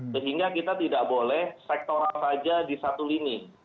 sehingga kita tidak boleh sektoral saja di satu lini